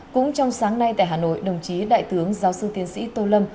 cũng trong sáng nay tại hà nội đồng chí đại tướng giáo sư tiến sĩ tô lâm